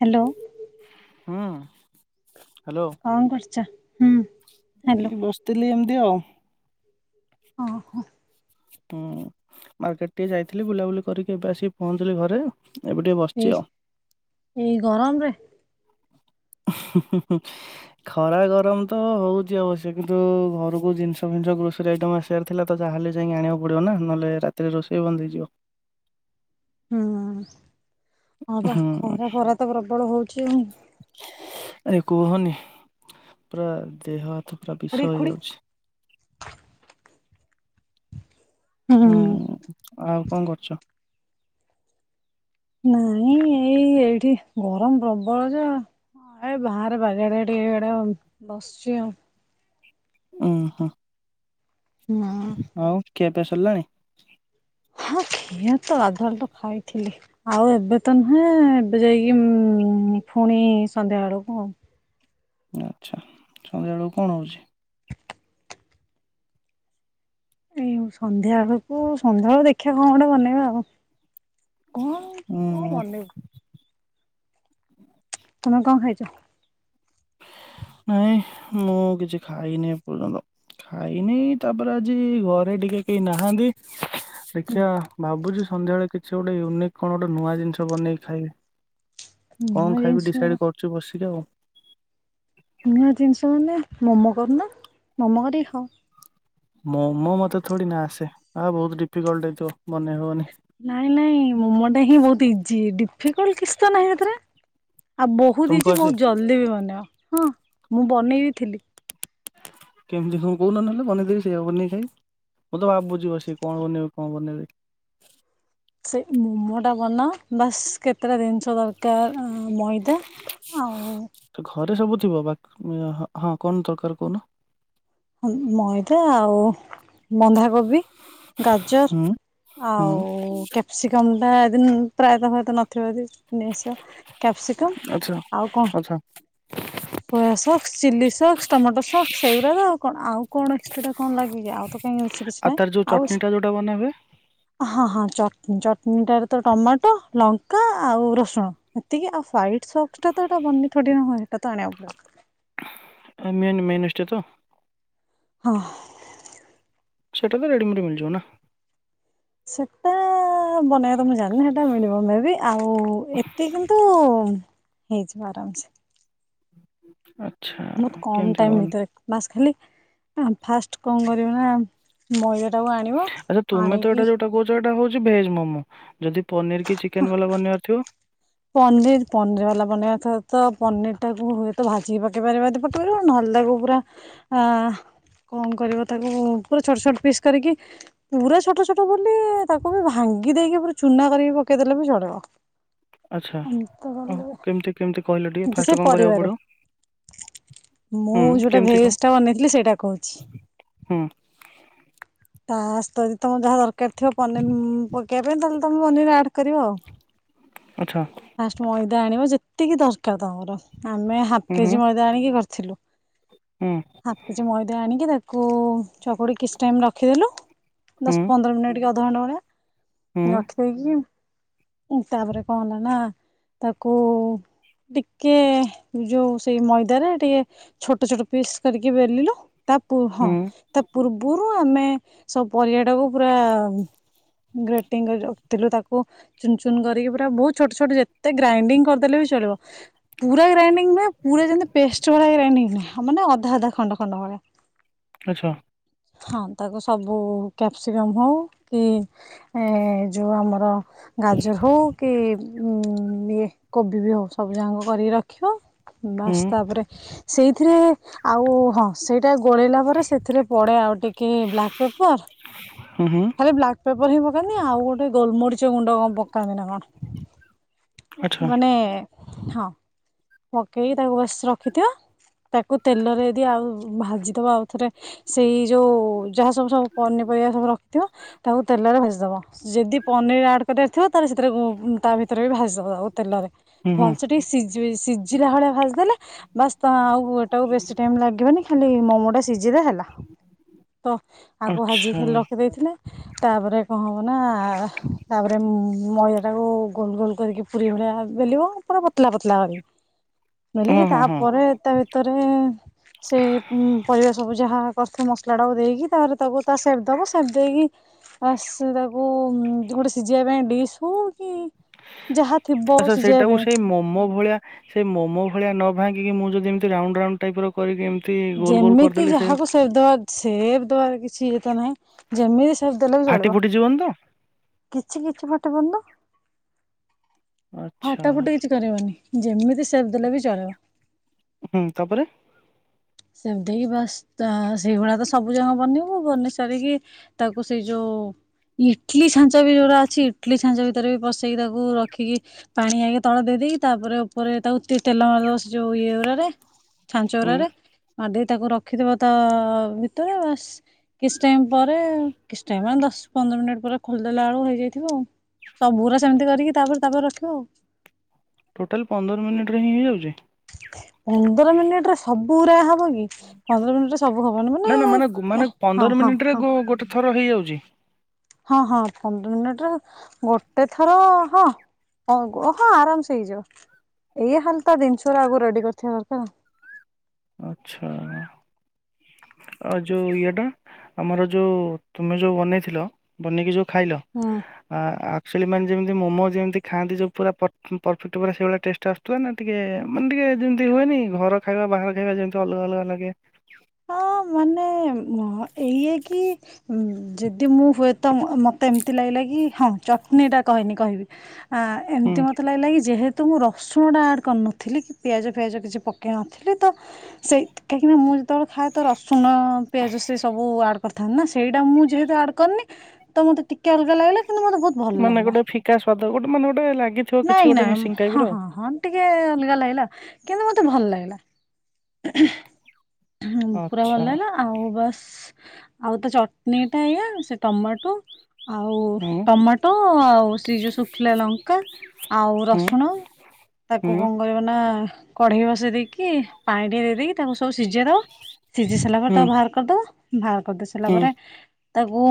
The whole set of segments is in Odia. ହ୍ୟାଲୋ। ହଁ। କଣ କରୁଚ। ହୁଁ। ହ୍ୟାଲୋ ଏଇ ବସିଥିଲି ଏମିତି ଆଉ। ଓଁ ହୋ। ହୁଁ ମାର୍କେଟ ଟିକେ ଯାଇଥିଲି। ବୁଲାବୁଲି କରିକି ଏବେ ଆସିକି ପହଁଞ୍ଚିଲି ଘରେ। ଏବେ ଟିକେ ବସିଛି ଏଇ ଆଉ। ଏଇ ଗରମରେ। ଖରା ଗରମ ତ ହଉଛି ଅବଶ୍ୟ। କିନ୍ତୁ ଘରକୁ ଜିନିଷ ଫିନିଷ ଗ୍ରୋସରୀ ଆଇଟମ୍ ଆସିବାର ଥିଲା ତ। ଯାହାହେଲେ ଯାଇକି ଆଣିବାକୁ ପଡିବ ନା। ନହେଲେ ରାତିରେ ରୋଷେଇ ବନ୍ଦ ହେଇଯିବ। ହୁଁ। ହଁ ବା ହୁଁ। ଖରା ଫରା ତ ପ୍ରବଳ ହଉଛି। ଆରେ କୁହନି। ପୁରା ଦେହ ଏ ପୁରା ଖୁଡି ବିଷ ଖୁଡି ହେଇଯାଉଛି। ହୁଁ ଆଉ କଣ କରୁଛ। ନାଇଁ ଏଇ ଏଇଠି ଗରମ ପ୍ରବଳ ଯେ ଏ ବାହାରେ ବାରିଆଡେ ଟିକେ ୟାଡେ ବସିଛି ଆଉ। ଉଁ ହୁଁ। ହୁଁ ଆଉ କେବ ଖିଆପିଆ ସରିଲାଣି। ହଁ ଖିଆ ତ ଗାଧୁଆଳଠୁ ଖାଇଥିଲି। ଆଉ ଏବେ ତ ନୁହେଁ ଏବେ ଯାଇକି ପୁଣି ସନ୍ଧ୍ୟା ବେଳକୁ ଆଉ। ଆଚ୍ଛା ସନ୍ଧ୍ୟା ବେଳକୁ କଣ ହଉଛି। ଏଇଉ ସନ୍ଧ୍ୟା ବେଳକୁ ସନ୍ଧ୍ୟାବେଳ ଦେଖିଆ କଣ ଗୋଟେ ବନେଇବା ଆଉ। କଣ କ ଉଁ ବନେଇବୁ। ତମେ କଣ ଖାଇଛ? ନାଇଁ ମୁଁ କିଛି ଖାଇନି ଏପର୍ଯ୍ୟନ୍ତ। ଖାଇନି ତାପରେ ଆଜି ଘରେ ଟିକେ କେହି ନାହାଁନ୍ତି। ଦେଖିଆ ଉ ଭାବୁଛି ସନ୍ଧ୍ୟାବେଳେ କି ସେ ଗୋଟେ ୟୁନିକ୍ କଣ ଗୋଟେ ନୂଆ ଜିନିଷ ବନେଇକି ଖାଇବି। ନୂଆ କଣ ଖାଇବି ଜିନିଷ ଡିସାଇଡ କରୁଛି ବସିକି ଆଉ। ନୂଆ ଜିନିଷ ମାନେ ମମୋ କରୁନ। ମମୋ କରିିକି ଖାଅ। ମୋମୋ ମତେ ଥୋଡି ନା ଆସେ। ଆ ବହୁତ ଡିଫିକଲ୍ଟ ହେଇଥିବ। ବନେଇ ହବନି ନାଇଁ ନାଇଁ ମୋମ ଟା ହିଁ ବହୁତ ଇଜି। ଡି ଫିକୁଲ କିଛି ତ ନାହିଁ ଏଥିରେ। ଆଉ ବହୁତ ତମକୁ ହେଇଛି। ଆସେ ବହୁତ ଜଲଦି ବି ବନେବ। ହଁ ମୁଁ ବନେଇ ବିି ଥିଲି। କେମିତି କଣ କହୁନ ନହେଲେ ବନେଇ ଦେବି ସେଇଆ ବନେଇ ଖାଇବି ମୁଁ ତ ଭାବୁଚି ବସିକି କଣ ବନେଇବି କଣ ବନେଇବି। ସେ ମୋମୋ ଟା ବନାଅ ବାସ୍ କେତେଟା ଦରକାର ମଇଦା ଆଉ ତ ଘରେ ସବୁ ଥିବ ବାକି ହଁ କଣ ଦରକାର କହୁନ। ମଇଦା ଆଉ ବନ୍ଧାକୋବି ହୁଁ ଗାଜର ହୁଁ ଆଉ କ୍ୟାପ୍ସିକମ୍ ଟା ପ୍ରାୟତଃ ଏଟା ନଥିବ ଯଦି ନେଇ ଆସିବ କ୍ୟାପ୍ସିକମ୍ ଆଚ୍ଛା ଆଉ କଣ ଆଚ୍ଛା soya sauce, chilli sauce, tomato sauce ସେଇଗୁରା ତ ଆଉ କଣ ଏକ୍ସଟ୍ରା ଟା କଣ ଲାଗେ କି ଆଉ ତ କାଇଁ ଅଛି କିଛି ଆଉ ନାହିଁ। ତାର ଯୋଉ ଆଉ ଚଟଣିଟା ଯୋଉଟା ବନା ହୁଏ ହଁ ହଁ ଚ ଚଟନୀ ଟା ରେ ତ ଟମାଟୋ ଲଙ୍କା ଆଉ ରସୁଣ ଏତିକି ଆଉ ହ୍ୱାଇଟ୍ ସସ୍ ଟା ବନେଇ ଥୋଡ଼ି ନା ହୁଏ। ଆଣିବାକୁ ପଡ଼ିବ। ହଁ ମେନ୍ ମେନ୍ୟୁଜ ଟା ତ ହଁ। ସେଟା ତ ରେଡି଼ ମେଡ୍ ମିଳିଯିବ ନା ସେଟା ଆ ହଁ ବନେଇବା ତ ମୁଁ ଜାଣିନି ସେଇଟା ମିଳିବ ମେ ବି ଆଉ ଏତି କିନ୍ତୁ ଉ ହେଇଯିବ ଆରାମସେ। [unintelligible] ବହୁତ କମ କେମିତି ଟାଇମ୍ କଣ ଭିତରେ ବାସ ଖାଲି ଆଁ ଫାଷ୍ଟ କଣ କରିବ ନା ମୟୂର ଆଚ୍ଛା ତୁମେ ତ ଏଟା ଯଉଟା କହୁଛ ଏଟା ହେଉଛି। ଭେଜମୋମୋ ଯଦି ପନିରୀ କି ଚିକେନ୍ ଭଲ ବନେଇବାରଥିବ ପନିର ପନିର ବାଲା ବନେଇବା ତ ପନିର ଟା କୁ ହୁଏତ ଭାଜିକି ପକେଇ ପାରିବା ତ ପକେଇ ପାରିବା ନହେଲେ ତାକୁ ପୁରା କଣ କରିବ ତାକୁ ପୁରା ଛୋଟ ଛୋଟ ପିସ୍ କରି କି ପୁରା ଛୋଟ ଛୋଟ ବୋଲି ତାକୁ ବି ଭାଙ୍ଗି ଦେଇକି ପୁରା ଚୁନା କରିକି ପକେଇ ଦେଲେ ବି ଚଳିବ। ଆଚ୍ଛା ଆଉ ହୁ କେମିତି କେମିତି କହିଲ ଟିକେ କିନ୍ତୁ ଫାର୍ଷ୍ଟ ସେ କଣ କରିବାକୁ ପରିବା ରେ ପଡ଼ିବ ମୁଁ ହୁଁ ଯୋଉଟା କେମିତି କଣ ଭେଜ୍ ଟା ବନେଇଥିଲି ସେଇଟା କହୁଛି। ହୁଁ ତା [unintelligible] ଯାହା ଦର୍ ଥିବ ପନିର ପକେଇବା ପାଇଁ ତମ ମନି ରେ ଆଡ୍ କରିବ ଆଉ ଆଚ୍ଛା ଫାଷ୍ଟ୍ [unintelligible] ଆଣିବ ଯେତିକି ଦ ଆଉ ତମର ଆମେ ହାପ୍ ହୁଁ ହୁଁ କେଜି ମଇଦା ଆଣିକି କରିଥିଲୁ। ହୁଁ [inaudible] ହାପ୍ କେଜି ମଇଦା ଆଣିକି ତା କୁ ଚକୁଡ଼ି କିଛି ଟାଇମ୍ ରଖିଦେଲୁ। ଦଶ ପନ୍ଦର ମିନିଟ୍ ରୁ ଅ ହୁଁ [unintelligible] ଆଖେଇ କିି। ତାପରେ କଣ ହେଲା ନା ତାକୁ ଟିକେ ଯୋଉ ସେଇ ମଇଦରେ ଟିକେ ଛୋଟ ଛୋଟ ପିସ୍ କରିକି ବେଲିଲୁ। ତା ହଁ ହୁଁ ହୁଁ ତା ପୂର୍ବରୁ ଆମେ ସବୁ ପରିବାର ସେଟାକୁ ପୁରା ଗ୍ରେଟିଂ ରଖିଥିଲୁ ତାକୁ ଚୁନ ଚୁନ କରିକି ପୁରା ବହୁତ ଛୋଟ ଛୋଟ ଯେତେ ଗ୍ରାଇଣ୍ଡିଙ୍ଗ କରିଦେଲେ ବି ଚଳିବ। ପୁରା ଗ୍ରାଇଙ୍ଗ ନୁହଁ ପୁରା ଯେମିତି ପେଷ୍ଟ ଭଳିଆ ଗାଇ ନହଁ ମାନେ ଅଧା ଅଧା ଖଣ୍ଡ ଖଣ୍ଡ ଭଳିଆ। ଆଛା। ହଁ ତାକୁ ସବୁ କ୍ୟାପ୍ସିକମ୍ ହଉ କି ଯେଉଁ ଆମର ଗାଜର ହଉ କି ହୁଁ ଇ କୋବି ବି ହଉ ସବୁଯାକ କରିକି ରଖିବ। ହୁଁ ବାସ୍ ତାପରେ ସେଇଥିରେ ଆଉ ହଁ ସେ ଟା ଗୋଳେଇଲା ପରେ ସେଥିରେ ପଡେ ଆଉ ଟିକେ ବ୍ଲାକ୍ ପେପର ହୁଁ ହୁଁ [inaudible] ଖାଲି ବ୍ଲା ପେପର ହିଁ ପକାନ୍ତି ଆଉ ଗୋଟେ ଗୋଲମରିଚ ଗୁଣ୍ଡ କଣ ପକାନ୍ତି ନା କଣ। ଆଚ୍ଛା ମାନେ ହଁ ପକେଇକି ତାକୁ ବସ ରଖିଥିବ ତାକୁ ତେଲରେ ଯଦି ଆଉ ଭାଜିଦବା ଆଉଥରେ ସେଇ ଯେଉଁ ଯାହା ସବୁ ସବୁ ପନିପରିବା ସବୁ ରଖିଥିବ ତାକୁ ତେଲରେ ଭେଜିଦବ। ଯଦି ପନିର ଆଡ଼୍ କରିବାର ଥିବ ତାହେଲେ ସେଥିରେ ତା ଭିତରେ ବି ଭାଜି ଦେବା ଆଉ ତେଲରେ। ହୁଁ ହୁଁ ଭଲସ ଟିକେ ସି ସିଝିଲା ଭଳିଆ ଭାଯିଦେଲେ ବାସ୍ ତ ଆଉଟାକୁ ବେଶୀ ଟାଇ ଲାଗିବନି ଖାଲି ମୋମୋ ବା ସିଇଜଦେ ହେଲା। ତ ଆଗ ଭାଜି ଆଚ୍ଛା ଖାଲି ରଖିଦେଇଥିଲେ। ତାପରେ କଣ ନା ତାପରେ ମଇଦାଟାକୁ ଗୋଲ ଗୋଲ କରିକି ପୁରୀ ଭଳିଆ ବେଲିବ। ପୁରା ପତଲା ପତଲା କରି। ହଁ ମଲିକି ହଁ ହଁ ତାପରେ ତା ଭିତରେ ସେଇ ପରିବା ସବୁ ଯାହା। ପ୍ରଥ ମସଲାଟାକୁ ଦେଇକି ତାପରେ ତାକୁ ତା ସେଫ୍ ଦେବ ସେପ୍ ଦେଇକି ଆ ତାକୁ ଗୋଟେ ସିଝେଇବା ପାଇଁ ଡିସ୍ ହଉ କି ଯାହା ଥିବ ଆଚ୍ଛା ସିଝେଇ ସେଇଟାକୁ ପାଇଁ ସେଇ ମୋମୋ ଭଳିଆ ସେ ମୋ ଭଳିଆ ନ ଭାଙ୍ଗିକି ମୁଁ ଯଦି ଏମତି ରାଉଣ୍ଡ୍ ରାଉଣ୍ଡ୍ ଟାଇପର କରିକି ଏମିତି ଗୋଲ ଗୋଲ ଯେମିତି କରିଦେଲି ଯାହାକୁ ସେ ଦବ ସେ ତ କିଛି ଇଏ ତ ନାହିଁ ଯେମିତି ସେପ୍ ଦେଲେ ବି ଫାଟି ଚଳିବ ଫୁଟି ଯିବନି ତ? କିଛି କିଛି ଫଟ ପଡୁନ। ଫାଟା ଆଚ୍ଛା ଫୁଟି କିଛି କରିବନି। ଯେମିତି ସେପ୍ ଦେଲେ ବି ଚଳିବ। ହୁଁ ତାପରେ। ସେତିକ ବାସ୍ ସେଇଗୁଡା ତ ସବୁ ଯାକ ବନେଇବୁ ବନେଇ ସାରିକି ତାକୁ ସେଇ ଯୋଉ ଇଟଲି ଛାଞ୍ଚ ବି ଯୋଉଟା ଅଛି ଇଟଲିି ଛାଞ୍ଚ ଭିତରେ ବି ପସେଇକି ତାକୁ ରଖିକି ପାଣି ଆଣିକି ତଳେ ଦେଇଦେଇକି ତାପରେ ଉପରେ ତାକୁ ଟିକେ ତେଲ ମାରିଦବ ସେ ଯୋଉ ଇଏ ଗୁଡାରେ ଛାଞ୍ଚ ହୁଁ ଗୁଡ଼ାରେ। ମାରି ଦେଇେଇ ତାକୁ ରଖିଥିବ ତା ଭିତରେ ବାସ୍ କିଛି ଟାଇମ ପରେ କିଛି ଟାଇମ ମାନେ ଦଶ ପନ୍ଦର ମିନିଟ ପରେ ଖୋଲିଦେଲା ବେଳକୁ ହେଇଯାଇଥିବ ଆଉ ସବୁ ଗୁରା ସେମିତି କରିକି ତାପରେ ତାପରେ ରଖିବ ଆଉ। ଟୋଟାଲ ପନ୍ଦର ମିନିଟ ରେ ହିଁ ହେଇଯାଉଛି? ପନ୍ଦର ମିନିଟ ରେ ସବୁୁ ଗୁରା ହ ନା ନା ମାନେ ମାନେ ହଁ ପନ୍ଦର ହଁ ମିନିଟ ରେ ହଁ ଗୋଟେ ଥର ହେଇଯାଉଛି। ଜି ହଁ ହଁ ପନ୍ଦର ମିନିଟରେ ଗୋଟେ ଥର ହଁ ହଁ ଆରାମସେ ହେଇଯିବ ଏଇ ଖାଲି ତ ଜିନିଷ ଗୁଡା ଆଗରୁ ରେଡି କରିଥିବା ଦରକାର। ଆଛା ଆଉ ଯୋଉ ଇଏଟା ଆମର ଯୋଉ ତମେ ଯୋଉ ବନେଇଥିଲ ବନେଇକି ଯୋଉ ଖାଇଲ ହୁଁ। ଆକଚୋଲି ମା ଯେମିତି ମୋମୋ ଯେମିତି ଖାଆନ୍ତି ଯଉ ପୁରା ପରଫେକ୍ଟ ପୁରା ସେଇଭଳିଆ ଟେଷ୍ଟ ଆସୁଥିଲା ନା ଟିକେ ମାନେ ଟିକେ ଯେମିତି ହୁଏନି ଘର ଖାଇବା ବାହାର ଖାଇବା ଯେମିତି ଅଲଗା ଅଲଗା ଲାଗେ। ହଁ ମାନେ ଇଏ କି ଯଦି ମୁଁ ହୁଏ ତ ମତେ ଏମିତି ଲାଗିଲା କି ହଁ ଚଟଣୀ ଟା କହିନି କହିବି। ଆ ହୁଁ ଏମିତି ମତେ ଲାଗିଲା କି ଯେହେତୁ ତ ମୁଁ ରସୁଣଟା ଆଡ଼୍ କରିନଥିଲି କି ପିଆଜ ଫିଆଜ କିଛି ପକେଇ ନଥିଲି ତ ସେଇ କାହିଁକିନା ମୁଁ ଯେତେବେଳେ ଖାଏ ତ ରସୁଣ ପିଆଜ ସେ ସବୁ ଆଡ୍ କରିଥାନ୍ତ ନା ସେଇଟା ମୁଁ ଯେହେତୁ ଆଡ୍ କରିନି ତ ମତେ ଟିକେ ଅଲଗା ଲାଗିଲା ତ ମାନେ ଗୋଟେ ଫିକାସ୍ୱାଦ ଗୋଟେ ମାନେ ଗଟେ [unintelligible] ନାଇଁ ନାଇଁ ହଁ ହଁ ହଁ ଟିକେ ଅଲଗା ଲାଗିଲା। କିନ୍ତୁ ମତେ ଭଲ ଲାଗିଲା। ହଁ ପୁରା ଭଲ ଆଚ୍ଛା ଲାଗିଲା ଆଉ ବାସ୍ ଆଉ ତା ଚଟଣୀ ଟା ଏଇଆ ସେ ଟମାଟୋ। ଆଉ ହୁଁ ଟମାଟୋ ଆଉ ସେ ଯୋଉ ଶୁଖିଲା ଲଙ୍କା ଆଉ ହୁଁ ରସୁଣ ତାକୁ ହୁଁ କଣ କରିବ ନା କଢ଼େଇ ବସେଇ ଦେଇକି କି ପାଣି ସିଝେଇ ଦବ ସିଝି ସାରିଲା ପରେ ହୁଁ ତକୁ ବାହାର କରିଦବ। ଭା କରିଦେଇ ସାରିଲା ହୁଁ ପରେ ତାକୁ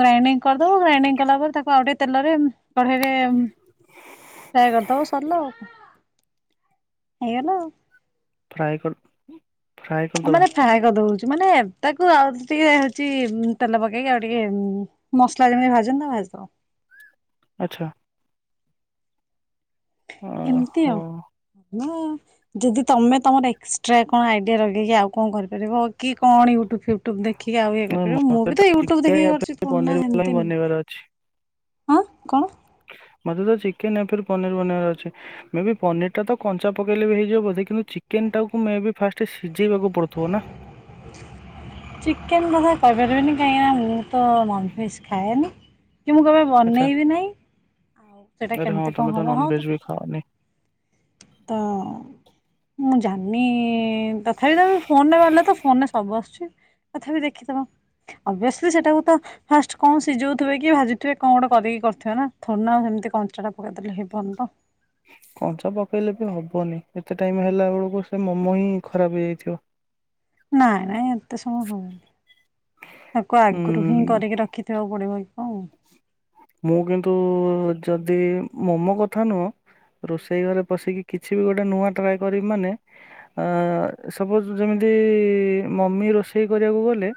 ଗ୍ରାଇଣ୍ଡିଙ୍ଗକରିଦବ ଗ୍ରାଇଣ୍ଡିଙ୍ଗକଲା ପରେ ତାକୁ ଆଉ ଟେ ତେଲରେ କଢେଇରେ ଉଁ ସେୟା କରିଦବ ସରିଲା ଆଉ ହେଇଗଲା ଆଉ ଫ୍ରାଏ କର ଆମର ଫ୍ରାଏ କରିଦଉଚୁ ମାନେ ତାକୁ ଆଉ ଟିକେ ହଉଛି ତେଲ ପକେଇକି ଆଉ ଟିକେ ମସଲା ଯେମିତି ଭାଜନ୍ତତା ଭାଜିଦେବ। ଆଚ୍ଛା ଏମିତି ଓହୋ ଆଉ ନା ଯଦି ତମେ ତମର ଏକ୍ସଟ୍ରା କଣ ଆଇଡିଆ ଲଗେଇକି ଆଉ କଣ କରିପାରିବ କି କଣ ୟୁଟୁବ୍ ଫିୟୁ ୟୁଟ୍ୟୁବ ଦେଖିକି ଆଉ ଇଏ ନାଇଁ କରିପାରିବ ମୁଁ ମୋତେ ବି ତ ୟୁଟ୍ୟୁବ ଚିକେନ୍ ୟା ଦେଖିକି କରିୁଛି ଫିର୍ ପୁରୁଣା ପନିର୍ ବାଲା ହିଁ ସେମିତି ନୁହଁ ବନେଇବାର ଅଛି ହଁ କଣ? ମୋତେ ତ ଚିକେନ ପନିର ବନେଇ ଅଛି ମେ ବି ପନିର ଟା ତ କଞ୍ଚା ପକେଇଲେ ବି ହେଇଯିବ ବୋଧେ କିନ୍ତୁ ଚିକେନ ଟାକୁ ମ ଫାଷ୍ଟ ସିଝେଇବାକୁ ପଡୁଥିବ ନା ଚିକେନ କଥା କହିପାରିବିନି କାହିଁକିନା ମୁଁ ତ ନନ୍‌ଭେଜ୍ ଖାଏନି। କିନ୍ତୁ କେବେ ଆଚ୍ଛା ବନେଇବି ନାହିଁ। ସେଇଟା ଆରେ ହଁ କେମିତି କଣ ତମେ ତ ହବ ହଁ ନନ୍‌ଭେଜ ବି ଖାଅନି ତ ମୁଁ ଜାଣିନି ତଥାପି ତ ଫୋନରେ ବାହାରିଲା ତ ଫୋନରେ ସବୁ ଆସୁଛି ତଥାପି ଦେଖିଥବା ଅବିଏଶିଲ୍ଲୀ ସେଟାକୁ ତ ଫାଷ୍ଟ କଣ ସିଝଉଥିବେ କି ଭାଜୁଥିବେ କଣ ଗୋଟେ କରିକି କରୁଥିବେ ନା ଥ ନା ସେମିତି କଞ୍ଚା ଟା ପକେଇଦେଲେ ହେବନି ତ କଞ୍ଚା ପକେଇଲେ ବି ହବନି ଏତେ ଟାଇମ ହେଲା ବେଳକୁ ସେ ମୋମୋ ହିଁ ଖରାପ ହେଇଯାଇଥିବ। ନାଇଁ ନାଇଁ ଏତେ ସମୟ ହବନି। ତାକୁ ଉଁ, ଆଗରୁ ହିଁ କରିକି ରଖିଥିବା କୁ ପଡିବ ହଉ, ମୁଁ କିନ୍ତୁ ଯଦି ମୋମୋ କଥା ନୁହଁ ରୋଷେଇ ଘରେ ପଶିକି କିଛି ବି ଗୋଟେ ନୂଆ ଟ୍ରାଏ କରିବ ମାନେ ସପୋଜ ଯେମିତି ମମି ରୋଷେଇ କରିବାକୁ ଗଲେ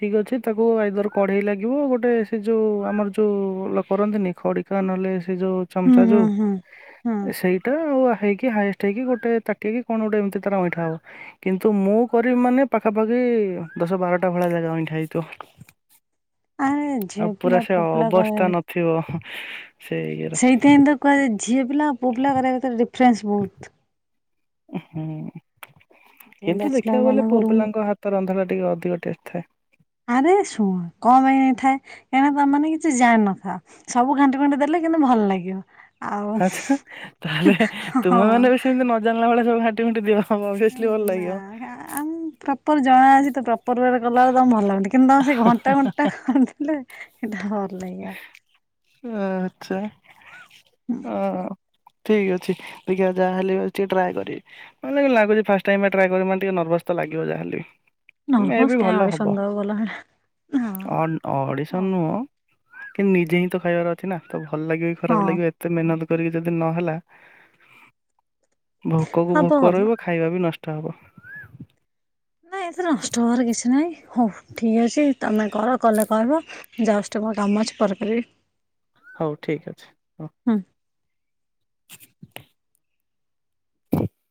ଠିକ୍ ଅଛି ତାକୁ ଆଇଦର କଢେଇ ଲାଗିବ ଗୋଟେ ସେ ଯୋଉ ଆମର ଯୋଉ କରନ୍ତିନି ଖଡ଼ିକା ନହେଲେ ସେ ଯୋଉ ହୁଁ ଚାମଚା ହୁଁ ଯୋଉ ହୁଁ ହୁଁ ସେଇଟା ଆଉ ହେଇକି ହାଏଷ୍ଟ ହେଇକି ଗୋଟେ ତାଟିକି କଣ ଗୋଟେ ଏମିତି ତାରା ଅଇଁଠା ହବ କିନ୍ତୁ ମୁଁ କରିବି ମାନେ ପାଖାପାଖି ଦଶ ବାରଟା ଭଳିଆ ଜାଗା ଅଇଠା ହେଇଥିବ। ଆରେ ଆଉ ପୁରା ଝିଅପିଲା ସେ ପୁଅପିଲା ଅବସ୍ଥା ନଥିବ ସେ ଇଏର। ସେହିତି ପାଇଁ ତ କୁହାଯାଇନି ଝିଅ ପିଲା ପୁଅ ପିଲା କରିବା ଭିତରେ ଫ୍ରେସ୍ ବହୁତ। ଉଁ ହୁଁ, କିନ୍ତୁ ବ୍ୟାଚଲର ଦେଖିବାକୁ ଗଲେ ମାନଙ୍କ ପୁଅ ରୁମ ପିଲାଙ୍କ ହାତ ରନ୍ଧା ଟିକେ ଅଧିକ ଟେଷ୍ଟ ଥାଏ। ଆରେ ଶୁଣ କମ ହେଇନଥାଏ କାହିଁକି ତମାନୋନେ କିଛି ଜାଣିିନଥା ସବୁ ଘାଣ୍ଟି ଘୁଣ୍ଟି ଦେଲେ କିନ୍ତୁ ଭଲ ଲାଗିବ। ଆଉ ଆଛା ତାହେଲେ ତୁମେ ହଁ। ମାନେ ବି ସେମତି ନ ଜାଣିଲା ଭଳିଆ ସବୁ ଘାଣ୍ଟି ଘୁଣ୍ଟି ଦିଅ ହଁ ଅଭିସଲ୍ଲୀ ଭଲ ଲାଗିବ। ତ୍ ପରିବାର ଗଲାବେଳେ ତାଙ୍କୁ ଭଲ ଲାଗୁନି କିନ୍ତୁ ତାଙ୍କର ସେ ଘଣ୍ଟେ ଘଣ୍ଟେ କରିଥିଲେ। ସେଇଟା ହଁ। [unintelligible] ଆ ଆଛା। ହଁ। ଠିକ ଅଛି ଦେଖିବା ଯାହେଲେ ହଉଛି ଟ୍ରାଏ କରିବି। ମାନେ ଲାଗୁଛି ଫାଷ୍ଟ ଟାଇମ୍ ପାଇଁ ଟ୍ରାଏ କରିବ ମାନେ ଟିକେ ନର୍ଭସ ତ ଲାଗିବ ଯାହାହେଲେ ବି ମେଁ ନର୍ଭସ ବି କାଇଁ ଭଲ ଅଡିସନ ହବ ଦବାକୁ ଗଲାବେଳେ ହଁ ଅନ୍ ଅଡିଶନ ନୁହଁ। କିନ୍ତୁ ନିଜେ ହିଁ ତ ଖାଇବାର ଅଛି ନା କେବଳ ଭଲ ଲାଗିବ କି ଖରାପ ହଁ ଲାଗିବ ଏତେ ମନ ଦୁଃ ପେଲି ଯଦି ନହେଲା ଭୋକ କୁ ହବ ଭୋକ ହବ। ରହିବ ଖାଇବା ବି ନଷ୍ଟ୍ [unintelligible] ନାଇଁ ଏଥିରେ ନଷ୍ଟ ହବାର କିଛି ନାହିଁ ହଉ ଠିକ ଅଛି ତମେ କର କଲେ କହିବ ମୁ ଯାଉଚ୍ ଟିକେ ମୋର କାମ ଅଛି ପରେ କରିବି। ହଉ ଠିକ୍ ଅଛି ହଉ। ହୁଁ। [inaudible]